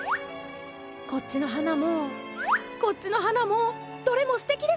こっちの花もこっちの花もどれもすてきです！